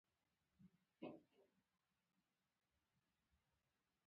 بزګران مجبور ول چې فیوډالانو ته پلونه جوړ کړي.